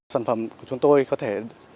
sản phẩm của chúng tôi có thể